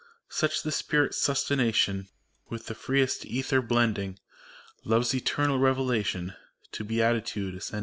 Such the Spirits' sustentation. With the freest ether blending; Love's eternal Revelation, To Beatitude ascending.